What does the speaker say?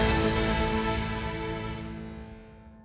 kesehatan yang bagus